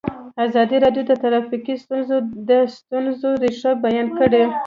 ازادي راډیو د ټرافیکي ستونزې د ستونزو رېښه بیان کړې.